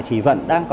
thì vẫn đang có